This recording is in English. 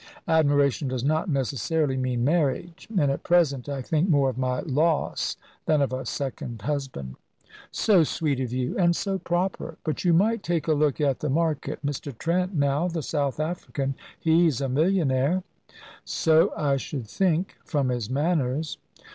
"Admiration does not necessarily mean marriage. And at present I think more of my loss than of a second husband." "So sweet of you, and so proper. But you might take a look at the market. Mr. Trent, now, the South African. He's a millionaire." "So I should think, from his manners."